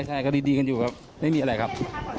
ใช่ก็ดีกันอยู่ครับไม่มีอะไรครับ